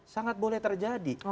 sangat boleh terjadi